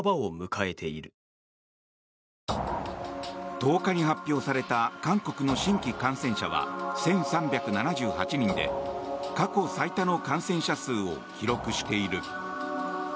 １０日に発表された韓国の新規感染者は１３７８人で過去最多の感染者数を記録している。